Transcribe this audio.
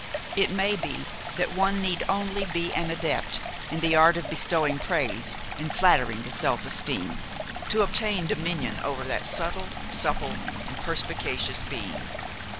It may be that one need only be an adept in the art of bestowing praise and flattering the self esteem, to obtain dominion over that subtle, supple and perspicacious being.